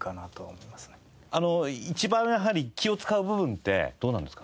一番やはり気を使う部分ってどうなんですか？